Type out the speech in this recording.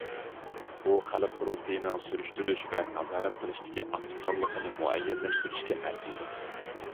بۇ، خەلق قۇرۇلتىيىنىڭ سۈرۈشتۈرۈش ۋە نازارەت قىلىشتىكى ئاكتىپچانلىقىنى مۇئەييەنلەشتۈرۈشكە ئەرزىيدۇ.